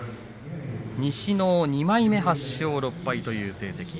西の２枚目８勝６敗という成績。